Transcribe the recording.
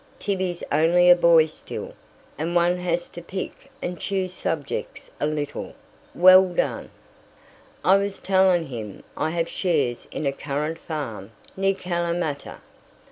Tibby's only a boy still, and one has to pick and choose subjects a little. Well done." "I was telling him I have shares in a currant farm near Calamata.